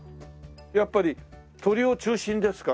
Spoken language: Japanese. やっぱり鳥を中心ですか？